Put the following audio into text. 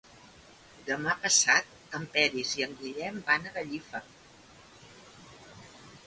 Demà passat en Peris i en Guillem van a Gallifa.